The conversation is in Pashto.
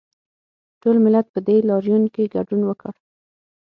ټول ملت په دې لاریون کې ګډون وکړ